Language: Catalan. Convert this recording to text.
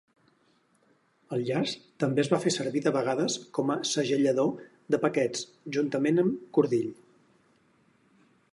El llaç també es fa servir de vegades com segellador de paquets, juntament amb cordill.